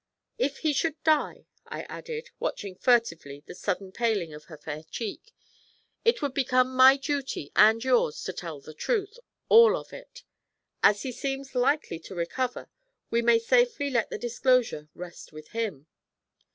'If he should die,' I added, watching furtively the sudden paling of her fair cheek, 'it would become my duty and yours to tell the truth, all of it. As he seems likely to recover, we may safely let the disclosure rest with him.'